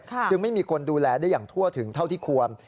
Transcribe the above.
จึงไม่มีคนดูแลได้อย่างทั่วถึงเท่าที่ควร